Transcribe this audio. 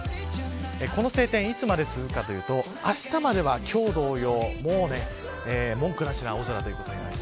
この晴天いつまで続くかというとあしたまでは今日同様文句なしの青空ということです。